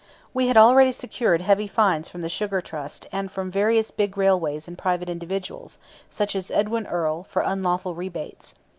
We had already secured heavy fines from the Sugar Trust, and from various big railways, and private individuals, such as Edwin Earle, for unlawful rebates.